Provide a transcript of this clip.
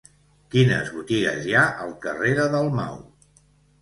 Quines botigues hi ha al carrer de Dalmau?